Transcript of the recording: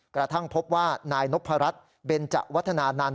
กระทั่งพบว่านายนพรัชเบนจะวัฒนานันต